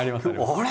あれ？